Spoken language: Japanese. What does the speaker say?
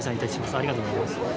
ありがとうございます。